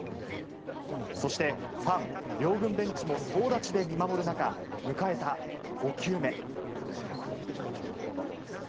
そして、ファン、両軍ベンチも総立ちで見守る中、迎えた５球目。